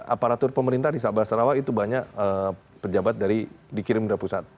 aparatur pemerintah di sabah sarawak itu banyak pejabat dari dikirim dari pusat